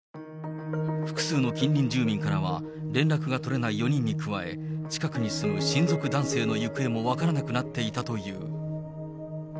複数の近隣住民からは、連絡が取れない４人に加え、近くに住む親族男性の行方も分からなくなっていたという。